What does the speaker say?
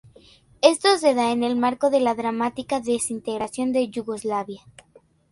Esto se da en el marco de la dramática desintegración de Yugoslavia.